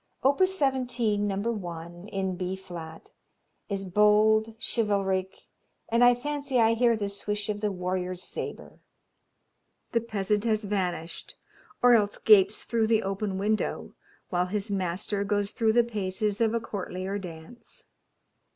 Opus 17, No. 1, in B flat, is bold, chivalric, and I fancy I hear the swish of the warrior's sabre. The peasant has vanished or else gapes through the open window while his master goes through the paces of a courtlier dance.